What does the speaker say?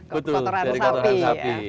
betul dari kotoran sapi